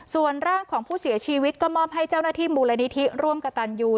ส่วนร่างของผู้เสียชีวิตก็มอบให้เจ้าหน้าที่มูลนิธิร่วมกับตันยู